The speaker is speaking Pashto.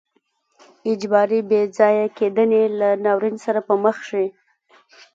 اجباري بې ځای کېدنې له ناورین سره به مخ شي.